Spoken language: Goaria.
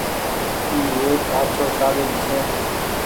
اي ايڪ آڇو ساگرد ڇي۔